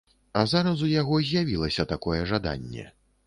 А зараз у яго з'явілася такое жаданне.